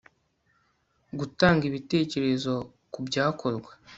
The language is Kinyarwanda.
gutanga ibitekerezo ku byakorwa